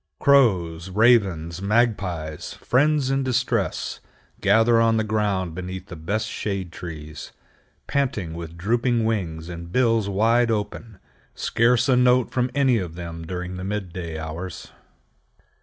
Crows, ravens, magpies—friends in distress—gather on the ground beneath the best shade trees, panting with drooping wings and bills wide open, scarce a note from any of them during the midday hours.